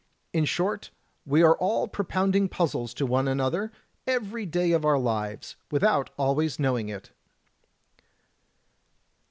In short, we are all propound ing puzzles to one another every day of our lives — ^without always knowing it."